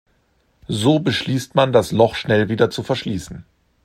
So beschließt man, das Loch schnell wieder zu verschließen.